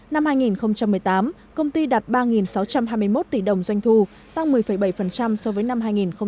năm hai nghìn một mươi tám công ty đạt ba sáu trăm hai mươi một tỷ đồng doanh thu tăng một mươi bảy so với năm hai nghìn một mươi bảy